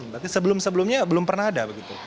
berarti sebelum sebelumnya belum pernah ada begitu